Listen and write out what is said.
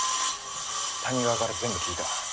谷川から全部聞いた。